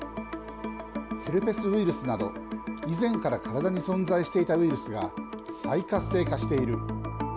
ヘルペスウイルスなど以前から体に存在していたウイルスが再活性化している。